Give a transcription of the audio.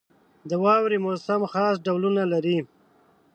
• د واورې موسم خاص ډولونه لري.